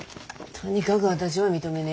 とにかく私は認めね。